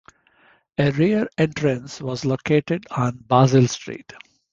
A rear entrance was located on Basil Street.